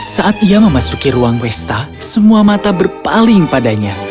saat ia memasuki ruang pesta semua mata berpaling padanya